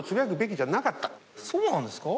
そうなんですか？